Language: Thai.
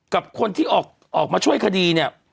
กับคนที่ออกมาช่วยคดีเนี่ย